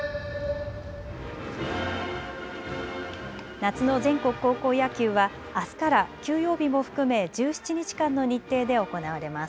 夏の全国高校野球はあすから休養日も含め１７日間の日程で行われます。